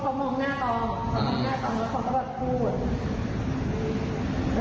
เขามองหน้าต้องแล้วเขาแบบกลง